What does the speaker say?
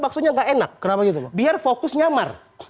baksonya nggak enak kenapa gitu pak biar fokus nyamar